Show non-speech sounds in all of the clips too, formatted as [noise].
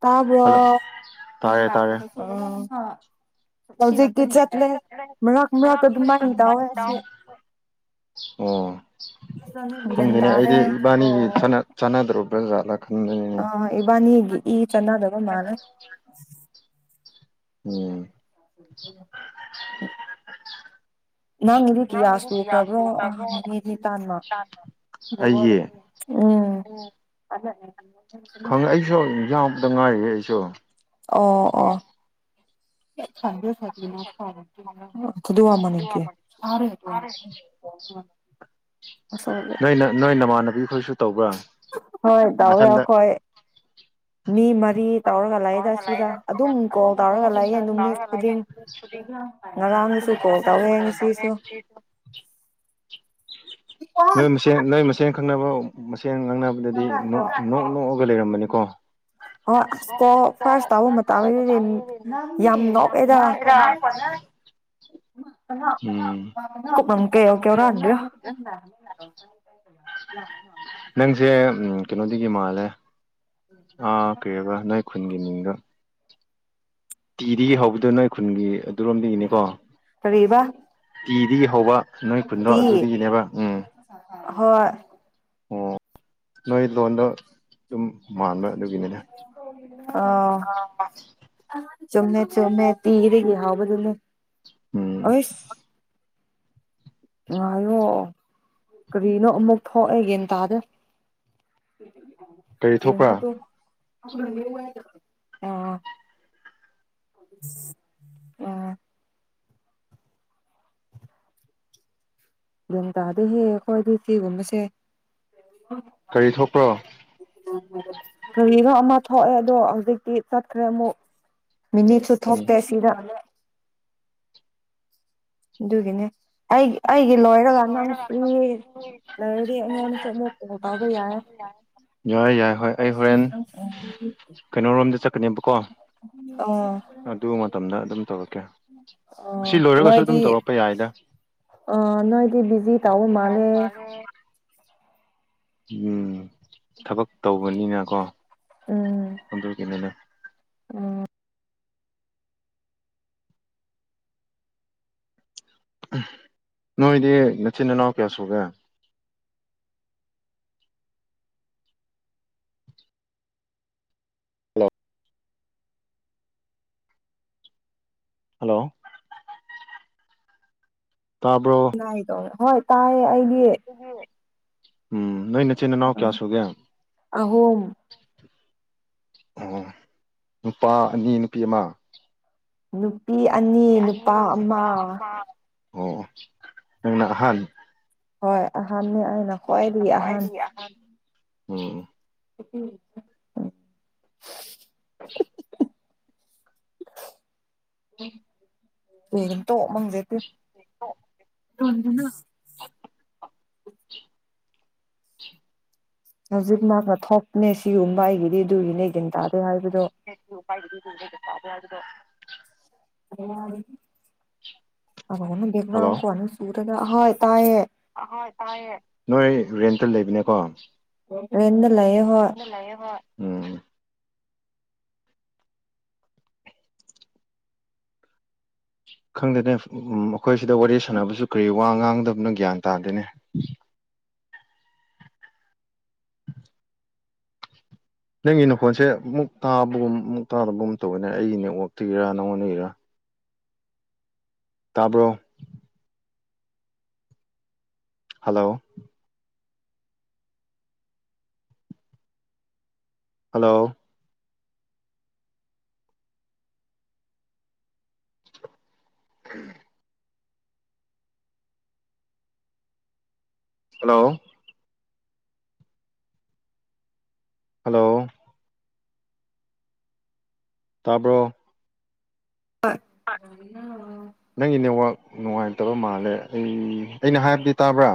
[inaudible] ꯇꯕ ꯍꯜꯂꯣ ꯇꯥꯔꯦ ꯇꯥꯔꯦ ꯃꯔꯛ ꯃꯔꯛꯇ ꯑꯗꯨꯃꯥꯏꯅ ꯇꯧꯋꯦ ꯑꯁꯤ ꯑꯣ ꯒ꯭ꯌꯥꯟ ꯈꯪꯗꯦꯅꯦ ꯇꯥꯗꯦ ꯑꯩꯗꯤ ꯏꯕꯥꯅꯤꯒꯤ ꯆꯥꯟꯅꯗ꯭ꯔꯣꯕ [unintelligible] ꯑ ꯏꯕꯅꯤꯒ ꯆꯅꯥꯗꯕ ꯃꯥꯅꯦ ꯎꯝ [unintelligible] [inaudible] ꯅꯪꯒꯤꯗꯨ ꯀꯤꯌꯥ ꯁꯨꯈ꯭ꯔꯕ꯭ꯔꯣ ꯑꯃꯤꯅꯦ ꯅꯤ ꯇꯥꯟꯃ ꯑꯩꯒꯤ ꯎꯝ ꯈꯪꯉ ꯑꯩꯁꯨ ꯌꯥꯝ ꯅꯨꯡꯉꯥꯏꯌꯦ ꯑꯩꯁꯨ ꯑꯣ ꯑꯣ ꯍ ꯊ ꯀꯋꯥ ꯃꯅꯤꯒꯦ ꯑꯁꯦ ꯅꯣꯏ [unintelligible] ꯍꯣꯏ ꯇꯋ ꯃꯊꯟꯗ ꯑꯈꯣꯏ ꯃꯤ ꯃꯔ ꯀꯔꯤ ꯇꯧꯔꯒ ꯂꯥꯛꯏꯗ ꯁꯤꯗ ꯑꯗꯨꯝ ꯀꯣꯜ ꯇꯧꯔꯒ ꯂꯥꯛꯑꯦ ꯑꯗꯨꯝ ꯃꯤꯠ ꯈꯨꯗꯤꯡ ꯉꯔꯥꯡꯅꯁꯨ ꯀꯣꯜ ꯇꯧꯋꯦ ꯉꯁꯤꯁꯨ ꯁꯦꯡ ꯈꯪꯅꯕ ꯆꯦꯡ ꯉꯥꯡꯅꯕꯗꯗꯤ ꯅꯣꯛ ꯅꯣꯛꯑꯒ ꯑꯗꯨꯒ ꯂꯩꯔꯝꯕꯅꯤꯀꯣ ꯍꯣꯏ ꯑꯁ ꯀꯣ ꯐꯥꯔꯁ ꯇꯥꯕ ꯃꯇꯝꯗꯗꯤ ꯌꯥꯝ ꯉꯣꯛꯑꯦꯗ ꯎꯝ ꯀ ꯀꯔꯛꯗ꯭ꯔꯣ ꯅꯪꯁꯦ ꯎꯝ ꯀꯩꯅꯣꯗꯤ ꯀꯃꯜ ꯑꯦ ꯑꯥ ꯀꯩꯔꯒ ꯅꯣꯏ ꯈꯨꯟꯒꯤ ꯃꯤꯡꯒ ꯇꯤꯗꯒꯤ ꯍꯧꯕꯗꯨꯣ ꯅꯣꯏ ꯈꯨꯟꯒꯤ ꯑꯗꯨꯔꯣꯝꯗꯒꯤꯅꯤꯀꯣ ꯀꯕ ꯇꯤꯗꯒꯤ ꯍꯧꯕ ꯅꯣꯏ ꯀꯨꯟꯗꯣ ꯑꯗꯨꯗꯒꯤꯅꯦꯕ ꯎꯝ ꯍꯣꯏ ꯑꯣ ꯅꯣꯏ ꯂꯣꯟꯗ ꯑꯗꯨꯝ ꯃꯥꯟꯕ ꯑꯗꯨꯒꯤꯅꯤꯗ ꯑ ꯆꯨꯝꯃꯦ ꯆꯨꯝꯃꯦ ꯇꯤꯔꯒ ꯍꯥꯥꯎꯕꯗꯨꯅ ꯎꯝ ꯑꯣꯏ ꯉꯥꯏꯌꫭ ꯀꯔꯤꯅꯣ ꯑꯃꯨꯛ ꯊꯣꯛꯑꯒꯦꯅ ꯇꯥꯗ ꯀꯔꯤ ꯊꯣꯛꯄ꯭ꯔꯥ [unintelligible] ꯑꯥ ꯑꯥ ꯌꯦꯟ ꯇꯥꯗ ꯍꯦꯛꯦ ꯑꯩꯈꯣꯏꯗꯤ ꯁꯤꯒꯨꯝꯕꯁꯦ ꯀꯔꯤ ꯊꯣꯛꯄ꯭ꯔꯣ ꯀꯔꯤꯒꯣ ꯑꯃ ꯊꯣꯛꯑꯦ ꯑꯗꯣ ꯍꯧꯖꯤꯛꯇꯤ ꯆꯠꯈ꯭ꯔꯦ ꯑꯃꯨꯛ ꯃꯤꯅꯤꯠꯁꯨ ꯎꯝ ꯊꯣꯛꯣꯛꯇꯦ ꯁꯤꯗꯥ ꯑꯗꯨꯒꯤꯅꯦ ꯑꯩ ꯑꯩ ꯂꯩꯔꯗꯤ ꯑꯩꯉꯣꯟꯗꯁꯨ ꯑꯃꯨꯛ ꯀꯣꯜ ꯌꯥꯏ ꯌꯥꯏ ꯍꯣꯏ ꯑꯩ ꯑꯁ [unintelligible] [inaudible] ꯀꯅꯦꯕꯀꯣ ꯑꯗꯨ ꯃꯇꯝꯗ ꯑꯗꯨꯝ ꯇꯧꯔꯛꯀꯦ ꯑꯁꯤ ꯑꯣ ꯂꯣꯏꯔꯒꯁꯨ ꯑꯗꯨꯝ ꯅꯣꯏꯗꯤ ꯇꯧꯔꯛꯄ ꯌꯥꯏꯗ ꯗꯤ ꯕꯤꯖꯤ ꯇꯥꯎꯎ ꯃꯥꯜꯦ ꯎꯝ ꯊꯕꯛ ꯇꯧꯕꯅꯤꯅꯀꯣ ꯍꯗ ꯀꯅꯤꯅ ꯎꯝ ꯅꯣꯏꯗꯤ ꯅꯆꯤꯟꯅꯥꯎ ꯀꯌꯥ ꯁꯨꯒꯦ ꯍꯜꯂꯣ ꯍꯜꯂꯣ ꯇꯥꯕ꯭ꯔꯣ ꯅꯥꯏꯗꯣ ꯍꯣꯏ ꯇꯥꯏ ꯑ [unintelligible] ꯎꯝ ꯅꯣꯏ ꯅꯆꯦꯅꯅꯥꯎ ꯀꯌꯥ ꯁꯣꯒꯦ ꯑꯍꯨꯝ ꯎ ꯅꯨꯄꯥ ꯑꯅꯤ ꯅꯨꯄꯤ ꯑꯃ ꯅꯨꯞ ꯅꯨꯄꯤ ꯑꯅꯤ ꯅꯨꯄꯥ ꯑꯃ ꯑꯣ ꯅꯪꯅ ꯍꯥꯟ ꯍꯣꯏ ꯑ ꯅꯥꯏꯅ ꯀꯋꯥꯥꯏꯔꯤ ꯑꯍꯥꯟ ꯎꯝ [inaudible] [inaudible] ꯎꯝ ꯝ ꯇ ꯃꯪꯖꯦꯇꯦ [inaudible] [unintelligible] [inaudible] ꯍꯧꯖꯤꯛ ꯃꯥꯅ ꯊꯣꯛꯅꯦ ꯁꯤꯒꯨꯝꯕ ꯑꯩꯒꯤꯗꯤ ꯑꯗꯨꯒꯤꯅꯦꯊꯟ ꯇꯥꯗꯦ ꯍꯥꯏꯕ ꯍꯣ ꯍꯥꯏꯗꯤ ꯇ ꯐꯥꯗ ꯍꯥꯏꯗ ꯑ ꯑꯟꯅ ꯗꯦꯕ꯭ꯔ ꯀꯅꯤꯁꯨ ꯑꯗꯨ ꯍꯣꯏ ꯇꯥꯏꯌꯦ ꯑ ꯇꯥꯏ ꯅꯣꯏ ꯔꯦꯟꯇ ꯂꯩꯕꯅꯦꯀꯣ ꯑꯦ ꯑꯗꯨ ꯂꯩꯌꯦꯍꯣ ꯎ ꯈꯪꯗꯦꯅꯦ ꯑꯩꯈꯣꯏꯁꯤꯗ ꯋꯥꯔꯤ ꯁꯥꯟꯅꯕꯁꯨ ꯀꯔꯤ ꯋꯥ ꯉꯥꯡꯗꯕꯅꯣ ꯒ꯭ꯌꯥꯟ ꯇꯥꯗꯣꯏꯅꯦ ꯅꯪꯒꯤ ꯅꯈꯣꯟꯁꯦ ꯑꯃꯨꯛ ꯇꯥꯕꯒꯨꯝ ꯃꯨꯛ ꯇꯥꯗꯕꯒꯨꯝ ꯇꯧꯋꯦꯅꯦ ꯑꯩꯅꯦ ꯑꯣꯛꯇꯣꯏꯒꯤꯔꯥ ꯅꯪꯉꯣꯟꯅꯔꯥ ꯇꯥꯕ꯭ꯔꯣ hello hello um hello hello ꯇꯥꯔꯕꯣ ꯅꯪꯒꯤ ꯅꯦꯠꯋꯥꯛ [inaudible] ꯅꯨꯡꯉꯥꯏꯇꯕ ꯃꯥꯜꯂꯦ ꯑꯩ ꯑꯩꯅ ꯍꯥꯏꯕꯗꯤ ꯇꯥꯕ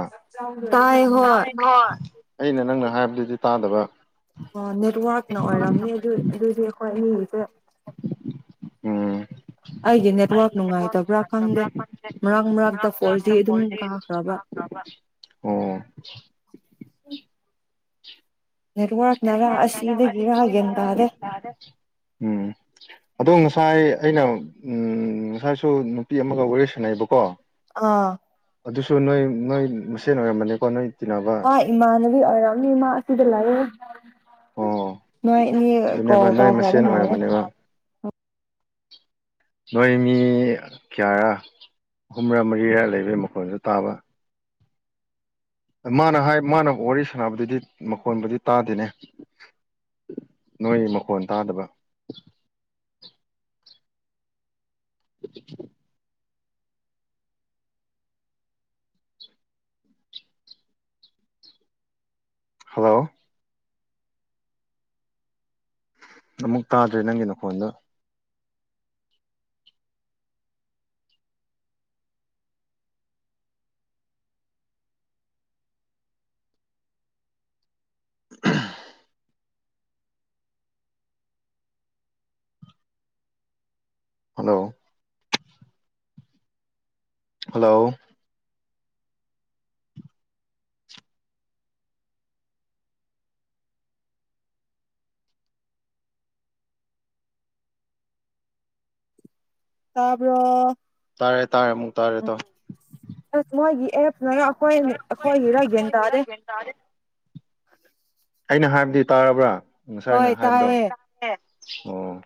ꯇꯥꯏ ꯍꯣꯏ ꯑꯩꯅ ꯅꯪꯅ ꯍꯥꯏꯕꯗꯨꯗꯤ ꯇꯥꯗꯕ ꯑꯣ ꯅꯦꯠꯋꯥꯔꯛꯅ ꯑꯣꯏꯔꯝꯅꯤ ꯑꯗꯨ ꯑꯗꯨꯏꯗꯤ ꯑꯩꯈꯣꯏ ꯃꯤ [unintelligible] ꯎꯝ ꯅꯦꯠꯋꯥꯔꯛ ꯑꯩꯒꯤ ꯍ ꯅꯨꯡꯉꯥꯏꯇꯕ꯭ꯔꯥ ꯅꯨꯡꯉꯇꯕ꯭ꯔꯥ ꯈꯪꯗꯦ ꯃꯔꯛ ꯃꯔꯛꯇ ꯃꯔꯕ ꯐꯣꯔ ꯖꯤ ꯑꯗꯨꯝ ꯀꯥꯈ꯭ꯔꯕ [unintelligible] [unintelligible] ꯅꯦꯠꯋꯥꯔꯛꯅꯔ ꯑꯁꯤꯗꯒꯤꯔ ꯒ꯭ꯌꯥꯟ ꯇꯥꯗꯦ ꯑꯗꫭ ꯉꯥ ꯉꯁꯥꯏ ꯑꯩꯅ ꯉꯁꯥꯏꯁꯨ ꯅꯨꯄꯤ ꯑꯃꯒ ꯋꯥꯔꯤ ꯁꯥꯟꯅꯩꯑꯕꯀꯣ ꯑꯥ ꯑꯗꯨꯁꯨ ꯅꯣꯏ ꯅꯣꯏ ꯃꯁꯦꯟ ꯑꯣꯏꯔꯝꯕꯅꯤꯀꯣ ꯅꯣꯏ ꯇꯤꯟꯅꯕ ꯑꯥ ꯏꯃꯥꯅꯕꯤ ꯑꯣꯏꯔꯝꯅꯤ ꯏꯃꯥ ꯑꯁꯤꯗ ꯂꯥꯛꯑ ꯑꯣ ꯃꯣꯏ ꯑꯗꯨꯅꯦꯕ ꯅꯣꯏ ꯃꯁꯦꯟ ꯑꯣꯏꯔꯝꯕꯅꯦꯕ ꯅꯣꯏ ꯃꯤ ꯀꯌꯥꯔ ꯑꯍꯨꯝꯔꯥ ꯃꯔꯤꯔꯥ ꯂꯩꯕꯒꯤ ꯃꯈꯣꯟꯜꯁꯨ ꯇꯥꯕ ꯃꯥꯅ ꯍꯥꯏ ꯃꯥꯅ ꯋꯥꯔꯤ ꯁꯥꯟꯅꯕꯗꯨꯗꯤ ꯃꯈꯣꯟꯕꯨꯗꯤ ꯇꯥꯗꯦꯅꯦ ꯅꯣꯏ ꯃꯈꯣꯟ ꯇꯥꯗꯕ [inaudible] ꯍꯜꯂꯣ ꯑꯃꯨꯛ ꯇꯥꯗ꯭ꯔꯦ ꯅꯪꯒꯤ ꯅꯈꯣꯟꯗꯣ ꯍꯜꯂꯣ ꯍꯜꯂꯣ ꯇꯕꯣ ꯇꯥꯔꯦ ꯇꯥꯔꯦ ꯑꯃꯨꯛ ꯇꯥꯔꯦ ꯇꯣ ꯅ ꯑꯩꯈꯣꯏ ꯑꯩꯈꯣꯏ ꯏꯔ ꯌꯦꯟ ꯇꯔꯦ ꯑꯩꯅ ꯍꯥꯏꯕꯗꯤ ꯇꯥꯔꯕ꯭ꯔꯥ ꯉꯁꯥꯏꯅ ꯍꯣꯏ ꯍꯥꯏꯕꯗꯣ ꯇꯥꯏꯌꯦ ꯑ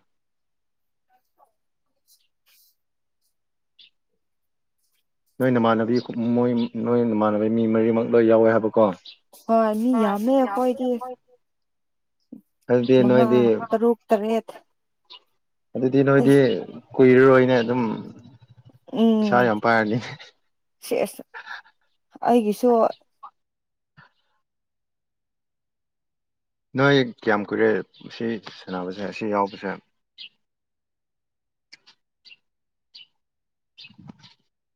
ꯅꯣꯏꯅꯃꯥꯟꯅꯕꯤ ꯃꯣꯏ ꯅꯣꯏꯅ ꯏꯃꯥꯟꯅꯕ ꯃꯤ ꯃꯔꯤꯃꯛ ꯂꯣꯏ ꯌꯥꯎꯋꯦ ꯍꯥꯏꯕꯀꯣ ꯍꯣꯏ ꯃꯤ ꯌꯥꯝꯃꯦꯈꯣꯏꯗꯤ ꯑꯗꯨꯗꯤ ꯅꯣꯏꯗꯤ [inaudible] ꯇꯔꯨꯛ ꯇꯔꯦꯠ ꯑꯗꯨꯗꯤ ꯅꯣꯏꯗꯤ ꯑꯩꯁ ꯀꯨꯏꯔꯔꯣꯏꯅꯦ ꯑꯗꯨꯝ ꯎꯝ ꯄꯁꯥ ꯌꯥꯝ ꯄꯥꯏꯅꯤ ꯁꯦꯁ ꯑꯩꯒꯤꯁꯨ ꯅꯣꯏ ꯀꯌꯥꯝ ꯀꯨꯏꯔꯦ ꯁꯤ ꯁꯥꯟꯅꯕꯁꯦ ꯑꯁꯤ ꯌꯥꯎꯕꯁꯦ [inaudible]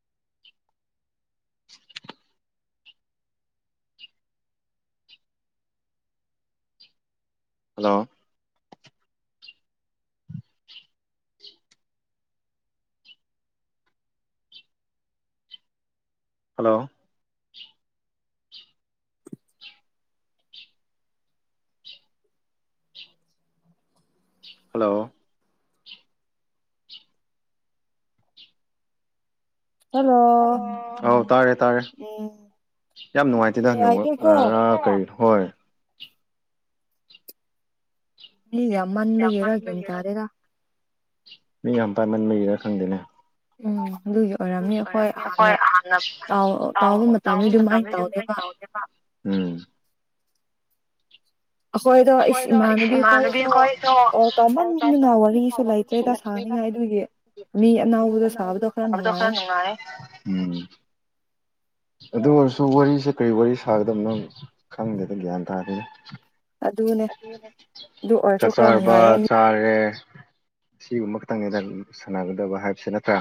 ꯍꯜꯂꯣ ꯍꯜꯂꯣ ꯍꯜꯂꯣ ꯍꯜꯂꯣ ꯑꯧ ꯇꯥꯔꯦ ꯇꯥꯔꯦ ꯎꯝ ꯌꯥꯝ ꯅꯨꯡꯉꯥꯏꯇꯦꯗ ꯌꯥꯏꯌꯦꯀꯣ ꯅ ꯀꯔꯤꯅꯣ ꯍꯣꯏ ꯏꯒꯤ ꯑꯃꯅ ꯃꯒ ꯏꯔꯒꯦ ꯇꯔꯦꯔ ꯃꯤ ꯌꯥꯝ ꯄꯃꯟ ꯃꯔꯤꯔꯥ ꯈꯪꯗꯦꯅꯦ ꯎꯝ ꯑꯗꯨꯒꯤ ꯑꯣꯏꯔꯝꯅꯤ ꯍꯣꯏ ꯍꯥꯟꯅ ꯇꯥꯎ ꯇꯥꯎꯕ ꯑꯗꯨꯃꯥꯏꯅ ꯃꯇꯝꯗ ꯑꯗꯨꯝ ꯂꯣꯏ ꯇꯧꯗꯦꯕ ꯇꯧꯒꯦꯕ ꯎ ꯏꯁ ꯑꯩꯈꯣꯏꯗꯣ ꯏꯃꯥꯟꯅꯕꯤ ꯈꯣꯏꯁꯨ ꯏꯃꯥꯟꯅꯕꯤꯈꯣꯏꯗꯣ ꯀꯣꯜ ꯇꯧꯃꯟꯗꯅ ꯋꯥꯔꯤꯁꯨ ꯑꯅꯥꯕꯗꯣ ꯂꯩꯇ꯭ꯔꯦꯗ ꯁꯥꯅꯤꯡꯉꯥꯏ ꯑꯗꯨꯒꯤ ꯃꯤ ꯑꯅꯧꯕꯗꯣ ꯁꯥꯕꯗꯣ ꯅꯨꯡꯉꯥꯏꯌꯦ ꯈꯔ ꯅꯨꯡꯉꯥꯏꯔꯦ ꯑꯗꯨ ꯑꯣꯏꯔꯁꯨ ꯋꯥꯔꯤꯁꯦ ꯀꯔꯤ ꯋꯥꯔꯤ ꯁꯥꯒꯗꯕꯅꯣ ꯈꯪꯗꯦꯗ ꯒ꯭ꯌꯥꯟ ꯇꯥꯔꯗꯣꯏꯅ ꯑꯗꯨꯅꯦ ꯑꯗꯨ ꯑꯣꯏꯔꯁꯨ ꯆꯥꯛ ꯈꯔ ꯆꯔꯕ ꯅꯨꯡꯉꯥꯏꯌꯦ ꯆꯥꯔꯦ ꯁꯤꯒꯨꯝꯕ ꯈꯇꯪꯗ ꯁꯥꯟꯅꯒꯗꯕ ꯍꯥꯏꯕꯁꯦ ꯅꯠꯇ꯭ꯔꯥ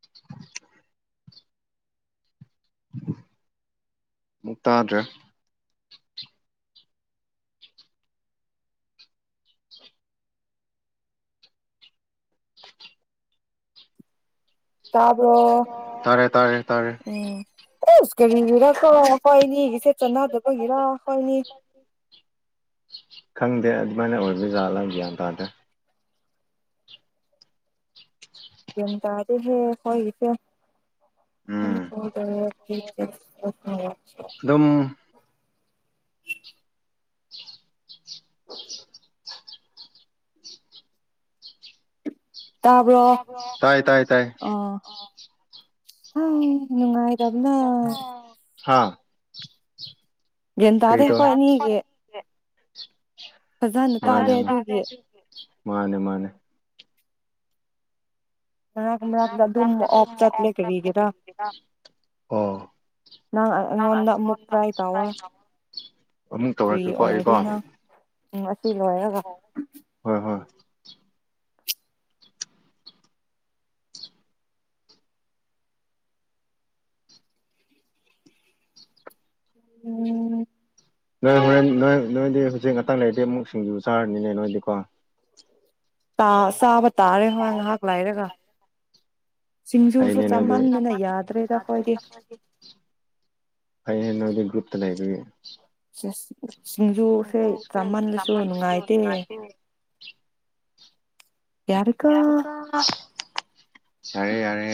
[inaudible] ꯃꯛꯇꯥꯗꯦ ꯆꯥꯕ꯭ꯔꯣ ꯇꯥꯔꯦ ꯇꯥꯔꯦ ꯇꯥꯔꯦ ꯎꯝꯁ ꯀꯔꯤꯔ ꯀꯣ ꯑꯩꯣꯏꯅꯤ ꯏꯆꯦꯠ ꯆꯅꯥꯗꯕꯒꯤꯔ ꯍꯣꯏꯅꯤ ꯈꯪꯗꯦ ꯑꯗꯨꯃꯥꯏꯅ ꯑꯣꯏꯕ ꯖꯥꯠꯂꯥ ꯒ꯭ꯌꯥꯟ ꯇꯥꯗ ꯌꯦ ꯇꯔꯦ ꯍ ꯍꯣꯏꯁꯨ ꯎꯝ [unintelligible] [unintelligible] ꯑꯗꯨꯝ [inaudible] ꯇꯥꯕ꯭ꯔꯣ ꯇꯥꯏ ꯇꯥꯏ ꯇꯥꯏ ꯑ ꯏꯅꯨꯡꯉꯥꯏꯔꯕꯅ ꯍꯥꯥ ꯗꯗꯦ ꯍꯣꯏ ꯅꯒ [inaudible] ꯑꯗꯦ ꯑꯗꯨꯒꯤ ꯃꯥꯅꯦ ꯃꯥꯅꯦ ꯃꯔꯛ ꯃꯔꯛꯇ ꯑꯗꯨꯝ ꯑꯣꯐ ꯆꯠꯂꯦ ꯀꯔꯤꯒꯤꯔꯥ ꯅꯪ ꯑꯩꯉꯣꯟꯗ ꯑꯃꯨꯛ ꯇ꯭ꯔꯥꯏ ꯇꯧꯋꯣ [inaudible] ꯑꯃꯨꯛ ꯐ꯭ꯔꯤ ꯇꯧꯔꯛꯀꯦꯀꯣ ꯑꯩꯀꯣ ꯑꯣꯏꯔꯗꯅ ꯎꯝ ꯑꯁꯤ ꯂꯣꯏꯔꯒ ꯍꯣꯏ [inaudible] ꯎꯝ ꯅꯣꯏ ꯍꯣꯔꯦꯟ ꯅꯣꯏ ꯅꯣꯏꯗꯤ ꯍꯧꯖꯤꯛ ꯉꯥꯛꯇꯥꯡ ꯂꯩꯔꯗꯤ ꯑꯃꯨꯛ ꯁꯤꯡꯖꯨ ꯆꯥꯔꯅꯤꯅꯦ ꯅꯣꯏꯗꯤꯀꯣ ꯇꯥ ꯁꯥꯥꯕ ꯇꯔꯦꯣ ꯉꯍ ꯍꯥ ꯀꯂꯥꯏꯔꯦꯒ ꯁꯤꯡꯖꯨꯁꯨ ꯐꯩꯅꯦ ꯅꯣꯏꯗꯤ ꯆꯥꯃꯟꯗꯅ ꯌꯥꯗ꯭ꯔꯦꯗ ꯑꯩꯈꯣꯏꯗꯤ ꯍꯩ ꯍꯩꯅ ꯍꯧꯗꯤ ꯒꯇ ꯂꯩꯕꯦ ꯁꯤꯡꯖꯨꯁꯦ ꯆꯥꯃꯟꯗꯁꯨ ꯅꯨꯡꯉꯥꯏꯇꯦ [inaudible] ꯌꯥꯔꯦꯀꯣ ꯌꯥꯔꯀꯣ ꯌꯥꯔꯦ ꯌꯥꯔꯦ